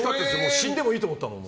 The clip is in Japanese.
死んでもいいと思ったもん。